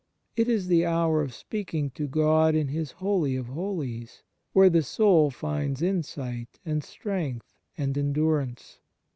It is the hour of speaking to God in His Holy of Holies, where the soul finds insight and strength and endurance.